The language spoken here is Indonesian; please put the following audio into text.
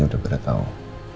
tapi yang ada di dalam